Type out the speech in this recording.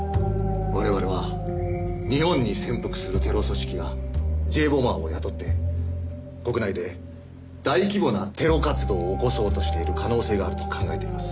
我々は日本に潜伏するテロ組織がＪ・ボマーを雇って国内で大規模なテロ活動を起こそうとしている可能性があると考えています。